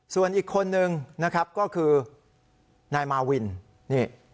ส่วนอีกคนนึงนะครับก็คือนายมาวินนี่